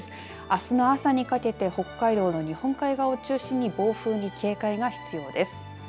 あすの朝にかけて北海道の日本海側を中心に暴風に警戒が必要です。